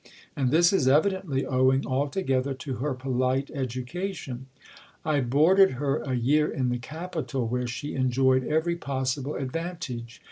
. And this is evidently owing alto gether to her polite education. I boarded her a year in 192 THE COLUMBiAN ORATOR. in the capital, where she enjoyed every possible advan tage.